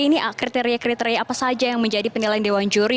ini kriteria kriteria apa saja yang menjadi penilaian dewan juri